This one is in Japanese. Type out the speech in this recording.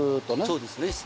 そうですね。